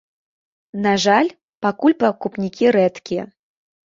На жаль, пакуль пакупнікі рэдкія.